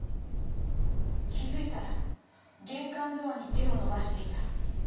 気づいたら玄関ドアに手を伸ばしていた」